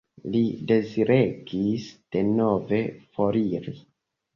Li deziregis denove foriri.